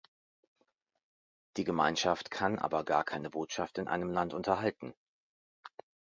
Die Gemeinschaft kann aber gar keine Botschaft in einem Land unterhalten.